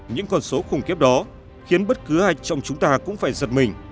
những con số khủng kiếp đó khiến bất cứ ai trong chúng ta cũng phải giật mình